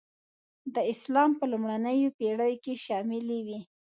د اسلام په لومړنیو پېړیو کې شاملي وې.